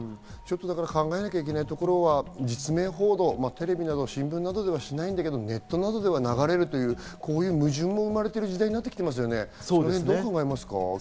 考えなきゃいけないところは実名報道、テレビや新聞などではしないけどネットなどでは流れるという矛盾も生まれている時代になってきていますね。